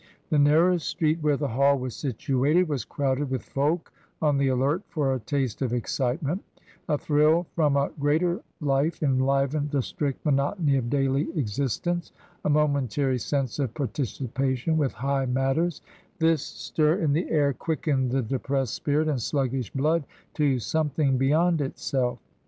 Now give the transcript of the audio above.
The narrow street where the hall was situated was crowded with folk on the alert for a taste of excitement ; a thrill from a greater life enlivened the strict monotony of daily existence, a momentary sense of participation with high matters; this stir in the air quickened the depressed spirit and sluggish blood to something beyond itself.